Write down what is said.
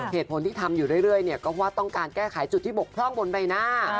เหตุผลที่ทำอยู่เรื่อยเนี่ยก็เพราะว่าต้องการแก้ไขจุดที่บกพร่องบนใบหน้า